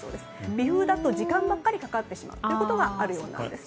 微風だと時間ばかりかかってしまうということがあるようなんです。